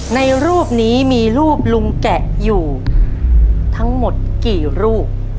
ในรูปนี้มีรูปลุงแกะอยู่ทั้งหมดกี่รูป